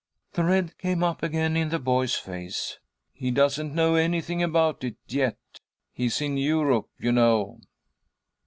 The red came up again in the boy's face. "He doesn't know anything about it yet; he's in Europe, you know."